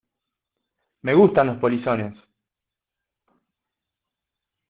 me gustan los polizones.